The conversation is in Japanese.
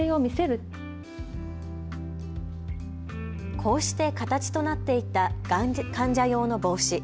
こうして形となっていったがん患者用の帽子。